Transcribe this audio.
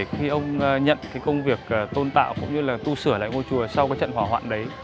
khi ông nhận công việc tôn tạo cũng như tu sửa lại ngôi chùa sau trận hỏa hoạn đấy